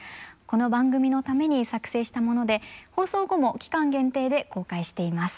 この番組のために作成したもので放送後も期間限定で公開しています。